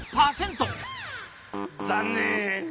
残念！